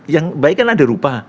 yang baik kan ada rupa